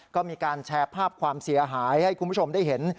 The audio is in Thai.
ก็มีการแชร์ภาพความเสียหายให้คุณผู้ชมได้เห็น